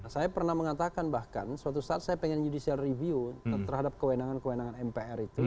saya pernah mengatakan bahkan suatu saat saya ingin judicial review terhadap kewenangan kewenangan mpr itu